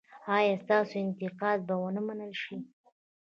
ایا ستاسو انتقاد به و نه منل شي؟